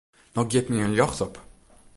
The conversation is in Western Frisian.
No giet my in ljocht op.